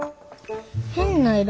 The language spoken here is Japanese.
変な色。